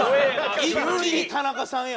一気に田中さんや！